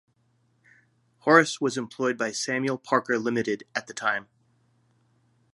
Horace was employed by Samuel Parker Ltd at the time.